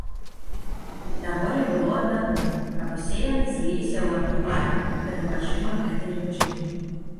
Даволі было аднаго, каб усе яны зліліся ў адну лапіну перад вачыма гэтай жанчыны.